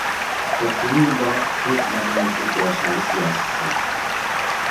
توققۇزىنچى باب كۆپ مەدەنىيەتلىك يەر شارى سىياسىيسى